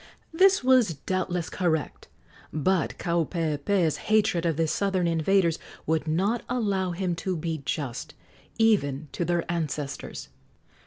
This was doubtless correct; but Kaupeepee's hatred of the southern invaders would not allow him to be just, even to their ancestors.